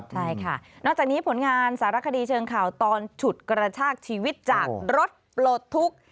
ใช่ค่ะนอกจากนี้ผลงานสารคดีเชิงข่าวตอนฉุดกระชากชีวิตจากรถปลดทุกข์